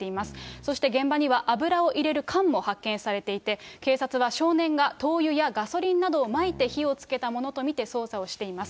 そして現場には油を入れる缶も発見されていて、警察は少年が、灯油やガソリンなどをまいて火をつけたものと見て、捜査をしています。